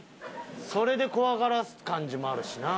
それで怖がらす感じもあるしな。